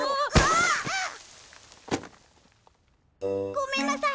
ごめんなさい！